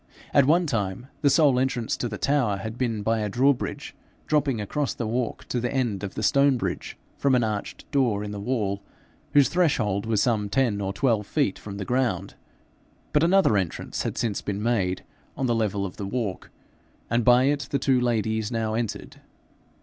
At one time the sole entrance to the tower had been by a drawbridge dropping across the walk to the end of the stone bridge, from an arched door in the wall, whose threshold was some ten or twelve feet from the ground; but another entrance had since been made on the level of the walk, and by it the two ladies now entered.